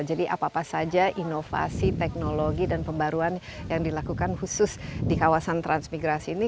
jadi apa apa saja inovasi teknologi dan pembaruan yang dilakukan khusus di kawasan transmigrasi ini